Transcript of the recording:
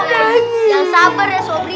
jangan sabar ya sobri